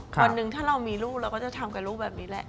วันหนึ่งถ้าเรามีลูกเราก็จะทำกับลูกแบบนี้แหละ